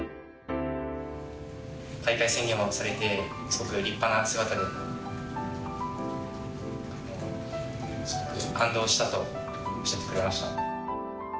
「開会宣言をされてすごく立派な姿ですごく感動した」とおっしゃってくれました。